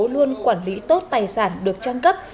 luôn quản lý tốt tài sản được trang cấp